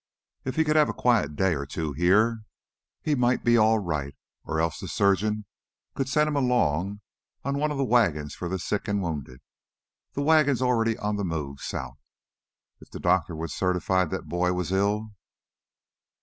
If he could have a quiet day or two here, he might be all right. Or else the surgeon could send him along on one of the wagons for the sick and wounded the wagons already on the move south. If the doctor would certify that Boyd was ill....